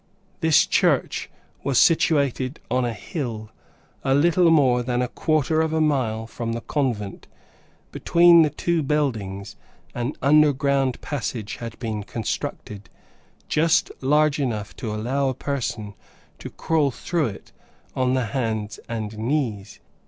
This church was situated on a hill, a little more than a quarter of a mile from the convent. Between the two buildings, an under ground passage had been constructed, just large enough to allow a person to crawl through it on the hands and knees.